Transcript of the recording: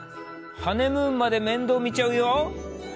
ハネムーンまで面倒見ちゃうよ。